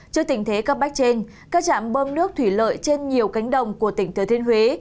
trước tình thế cấp bách trên các trạm bơm nước thủy lợi trên nhiều cánh đồng của tỉnh thừa thiên huế